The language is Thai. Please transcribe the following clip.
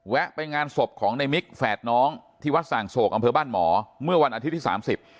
ไปงานศพของในมิกแฝดน้องที่วัดส่างโศกอำเภอบ้านหมอเมื่อวันอาทิตย์ที่สามสิบ